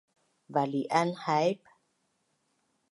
Vali’an haip?